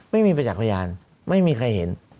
ไม่มีใครเห็น